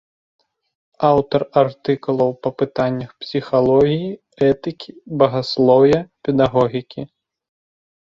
Аўтар артыкулаў па пытаннях псіхалогіі, этыкі, багаслоўя, педагогікі.